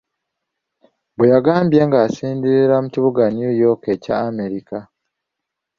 Bwe yagambye ng'asinziira mu kibuga New York ekya Amerika.